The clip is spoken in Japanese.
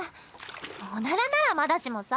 おならならまだしもさ。